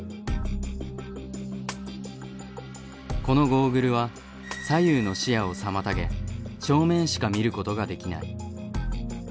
このゴーグルは左右の視野を妨げ正面しか見ることができない。